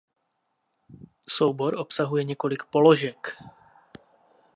Soubor obsahuje několik položek.